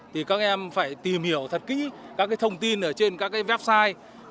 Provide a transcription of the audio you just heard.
thì các em phải tìm hiểu thật kỹ các thông tin ở trên các website